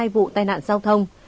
sáu mươi hai vụ tai nạn giao thông